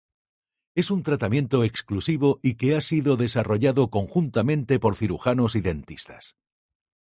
Es un tratamiento exclusivo y que ha sido desarrollado conjuntamente por cirujanos y dentistas.